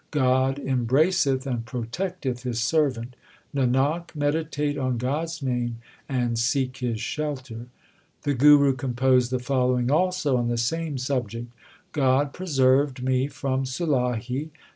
God embraceth and protecteth His servant : Nanak, meditate on God s name, and seek His shelter. The Guru composed the following also on the same subject : God preserved me from Sulahi.